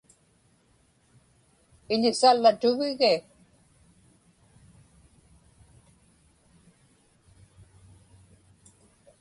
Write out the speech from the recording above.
Iḷisallatuvigi?